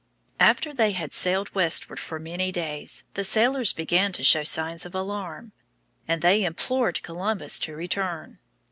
After they had sailed westward for many days, the sailors began to show signs of alarm, and they implored Columbus to return.